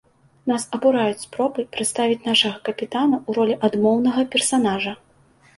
Нас абураюць спробы прадставіць нашага капітана ў ролі адмоўнага персанажа.